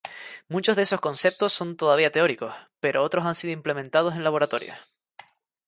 Muchos de esos conceptos son todavía teóricos, pero otros han sido implementados en laboratorios.